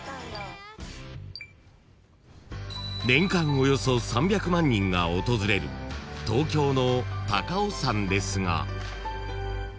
およそ３００万人が訪れる東京の高尾山ですが］